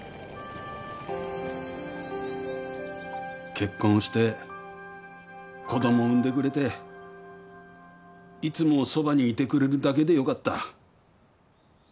結婚して子供産んでくれていつもそばにいてくれるだけでよかった。